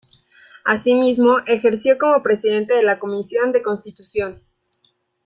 Asimismo, ejerció como Presidente de la Comisión de Constitución.